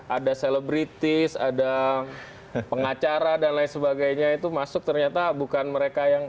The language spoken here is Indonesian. ada selebritis ada pengacara dan lain sebagainya itu masuk ternyata bukan mereka yang